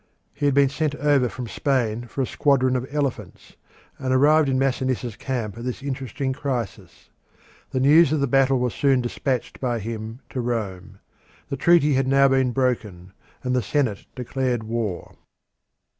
He had been sent over from Spain for a squadron of elephants, and arrived in Masinissa's camp at this interesting crisis. The news of the battle was soon despatched by him to Rome. The treaty had now been broken, and the Senate declared war.